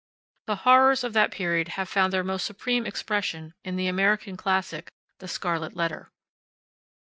The horrors of that period have found their most supreme expression in the American classic, THE SCARLET LETTER.